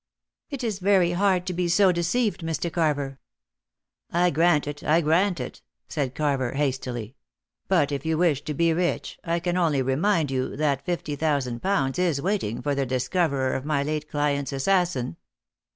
"It is very hard to be so deceived, Mr. Carver." "I grant it, I grant it," said Carver hastily; "but if you wish to be rich, I can only remind you that fifty thousand pounds is waiting for the discoverer of my late client's assassin."